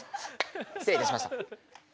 失礼いたしました。